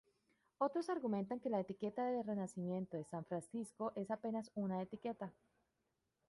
Otros argumentan que la etiqueta de Renacimiento de San Francisco es apenas una etiqueta.